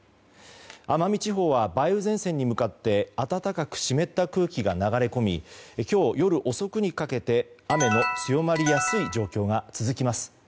奄美地方は梅雨前線に向かって暖かく湿った空気が流れ込み今日夜遅くにかけて雨の強まりやすい状態が続きます。